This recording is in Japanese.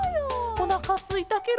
おなかすいたケロ。